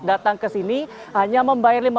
datang ke sini hanya membayar